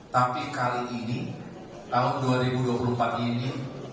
tapi kali ini tahun dua ribu dua puluh empat ini